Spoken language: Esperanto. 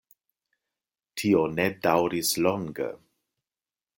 Tio ne daŭris longe.